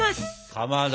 かまど。